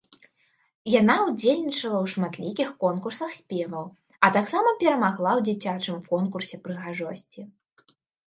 Яна ўдзельнічала ў шматлікіх конкурсах спеваў, а таксама перамагла ў дзіцячым конкурсе прыгажосці.